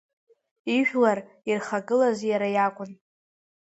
Ижәлар ирхагылаз иара иакәын.